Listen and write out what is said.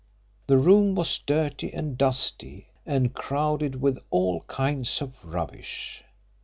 The room was dirty and dusty and crowded with all kinds of rubbish.